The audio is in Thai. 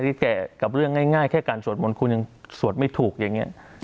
แก่กับเรื่องง่ายแค่การสวดมนต์คุณยังสวดไม่ถูกอย่างนี้